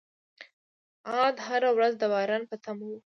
عاد هره ورځ د باران په تمه وو.